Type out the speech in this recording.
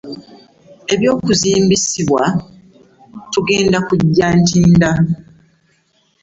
Eby'okuzimbisibwa tugenda kugya Ntinda.